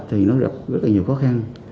thì nó gặp rất nhiều khó khăn